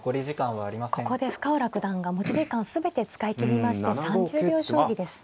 ここで深浦九段が持ち時間全て使い切りまして３０秒将棋です。